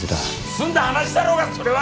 済んだ話だろうがそれは。